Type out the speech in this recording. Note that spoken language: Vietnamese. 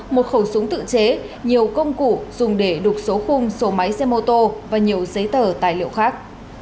một khẩu súng tự chế nhiều công cụ dùng để đục số khung số máy xe mô tô và nhiều giấy tờ tài liệu khác